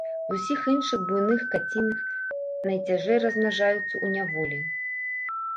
З усіх іншых буйных каціных найцяжэй размнажаюцца ў няволі.